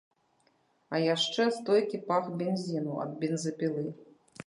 А яшчэ стойкі пах бензіну ад бензапілы!